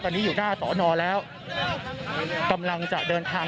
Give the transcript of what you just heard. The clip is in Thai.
ตอนนี้อยู่หน้าสอนอแล้วกำลังจะเดินทาง